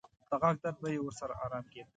د غاښ درد به یې ورسره ارام کېده.